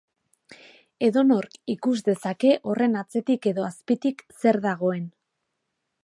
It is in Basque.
Edonork ikus dezake horren atzetik edo azpitik zer dagoen.